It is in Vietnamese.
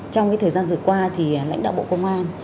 trong thời gian vừa qua thì lãnh đạo bộ công an